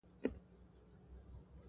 پر ما لمبې د بېلتانه د ده په خوله تېرېږي!!